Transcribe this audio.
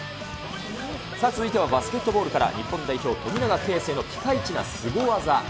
続いてはバスケットボールから、日本代表、富永啓生のピカイチなスゴ技。